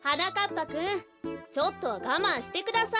ぱくんちょっとはがまんしてください。